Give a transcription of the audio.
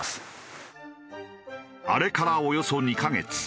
あれからおよそ２カ月。